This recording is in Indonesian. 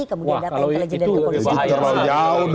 kemudian data intelijen kepolisian